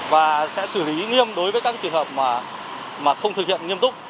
và sẽ xử lý nghiêm đối với các trường hợp mà không thực hiện nghiêm túc